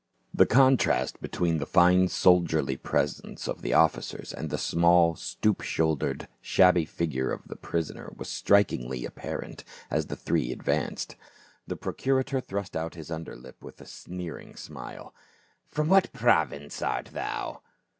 The contrast between the fine soldierly presence of the officers and the small, stoop shouldered, shabby figure of the prisoner was strikingly apparent as the three advanced ; the pro curator thrust out his under lip with a sneering smile. " From what province art thou